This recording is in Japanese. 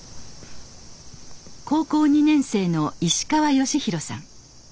高校２年生の石川喜寛さん。